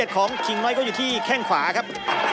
ของขิงน้อยก็อยู่ที่แข้งขวาครับ